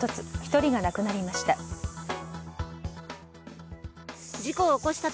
１人が亡くなりました。